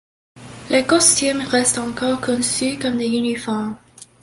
Les costumes restent encore conçus comme des uniformes.